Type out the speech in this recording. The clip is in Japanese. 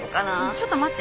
ちょっと待って。